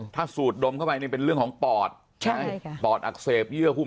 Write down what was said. ถ้าสูดดมเข้าไปนี่เป็นเรื่องของปอดปอดอักเสบเยื่อหุ้ม